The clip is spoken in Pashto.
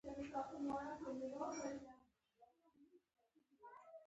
ځینې خلک له ګرد او دوړو سره الرژي لري